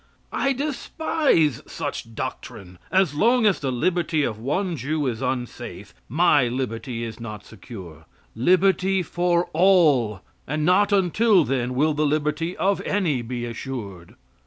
I despise such doctrine. As long as the liberty of one Jew is unsafe, my liberty is not secure. Liberty for all, and not until then will the liberty of any be assured.